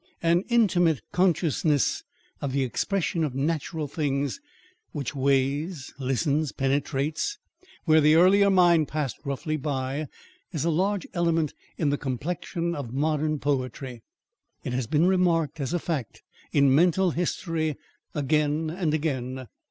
An intimate consciousness of the expression of natural things, which weighs, listens, penetrates, where the earlier mind passed roughly by, is a large element in the complexion of modern poetry. It has been remarked as a fact in mental history again and again.